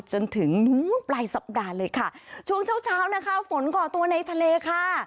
จนถึงปลายสัปดาห์เลยค่ะช่วงเช้าเช้านะคะฝนก่อตัวในทะเลค่ะ